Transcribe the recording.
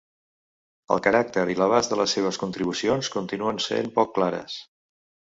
El caràcter i l'abast de les seves contribucions continuen sent poc clares.